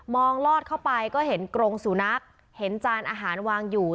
ลอดเข้าไปก็เห็นกรงสุนัขเห็นจานอาหารวางอยู่